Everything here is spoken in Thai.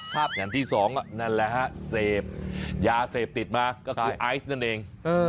อย่างที่สองนั่นแหละฮะเสพยาเสพติดมาก็คือไอซ์นั่นเอง